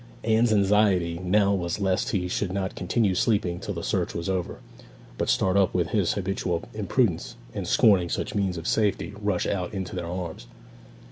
Anne's anxiety now was lest he should not continue sleeping till the search was over, but start up with his habitual imprudence, and scorning such means of safety, rush out into their arms.